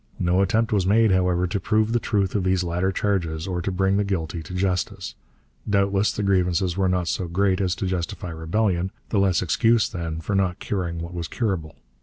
No attempt was made, however, to prove the truth of these latter charges or to bring the guilty to justice. Doubtless the grievances were not so great as to justify rebellion; the less excuse, then, for not curing what was curable.